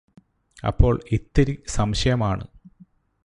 അപ്പോൾ ഇത്തിരി സംശയമാണ്